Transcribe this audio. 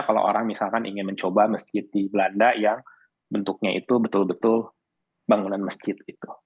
kalau orang misalkan ingin mencoba masjid di belanda yang bentuknya itu betul betul bangunan masjid